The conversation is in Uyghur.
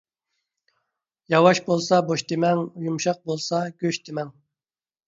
ياۋاش بولسا بوش دېمەڭ، يۇمشاق بولسا گۆش دېمەڭ.